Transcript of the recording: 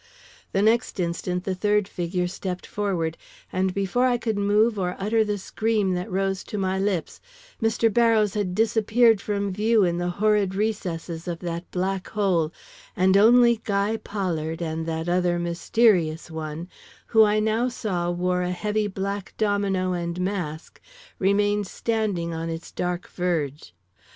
The next instant the third figure stepped forward, and before I could move or utter the scream that rose to my lips, Mr. Barrows had disappeared from view in the horrid recesses of that black hole, and only Guy Pollard and that other mysterious one, who I now saw wore a heavy black domino and mask, remained standing on its dark verge.